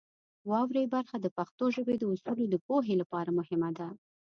واورئ برخه د پښتو ژبې د اصولو د پوهې لپاره مهمه ده.